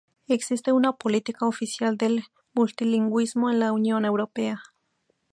Existe una política oficial del multilingüismo en la Unión Europea.